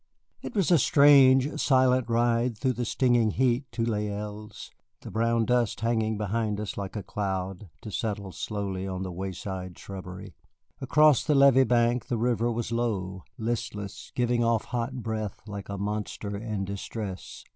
It was a strange, silent ride through the stinging heat to Les Îles, the brown dust hanging behind us like a cloud, to settle slowly on the wayside shrubbery. Across the levee bank the river was low, listless, giving off hot breath like a monster in distress.